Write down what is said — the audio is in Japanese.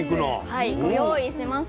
はいご用意しました。